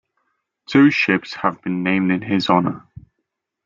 Two ships have been named in his honor.